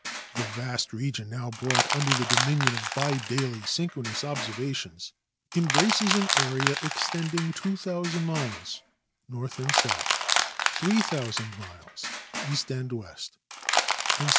The vast region now brought under the dominion of bi daily synchronous observations embraces an area extending 2,000 miles north and south, 3,000 miles east and west, and so.